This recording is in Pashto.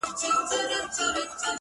زموږه دوو زړونه دي تل د محبت مخته وي ـ